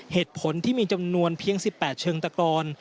เหตุผลที่มีจำนวนเพียง๑๘เชิงตะกอน